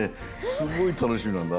すごいたのしみなんだ。